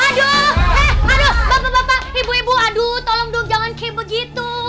aduh aduh bapak bapak ibu ibu aduh tolong dong jangan keem begitu